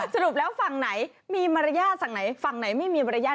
สรุปแล้วฝั่งไหนมีมารยาทฝั่งไหนฝั่งไหนไม่มีมารยาท